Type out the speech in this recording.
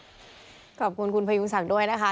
ขอบคุณคุณพยุงศักดิ์ด้วยนะคะ